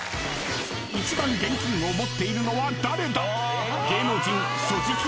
［一番現金を持っているのは誰だ？］